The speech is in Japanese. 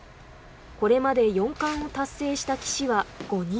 これまで四冠を達成した棋士は５人。